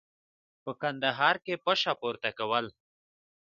په کندهار کې پشه پورته کول.